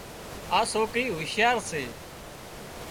آ سوڪري هوشيار سي